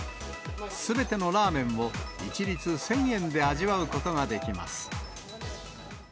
すべてのラーメンを一律１０００円で味わうことができます。